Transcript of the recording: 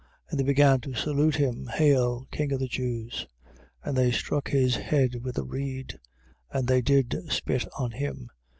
15:18. And they began to salute him: Hail, king of the Jews. 15:19. And they struck his head with a reed: and they did spit on him.